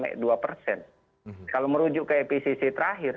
kalau merujuk ke epcc terakhir